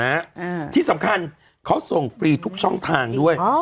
อ่าที่สำคัญเขาส่งฟรีทุกช่องทางด้วยอ๋อ